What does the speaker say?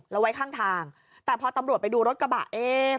แล้วไว้ข้างทางแต่พอตำรวจไปดูรถกระบะเอ๊ะ